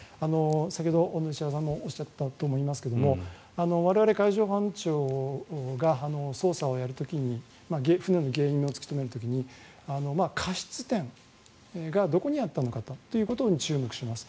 先ほどおっしゃったと思いますが我々、海上保安庁が捜査をやる時に船の原因を突き止める時に過失点がどこにあったのかということに注目します。